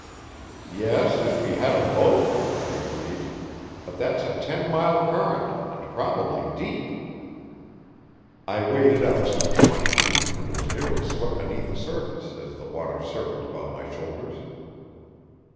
"Yes, if we had a boat," I agreed. "But that's a ten mile current, and probably deep." I waded out some twenty feet and was nearly swept beneath the surface as the water circled about my shoulders.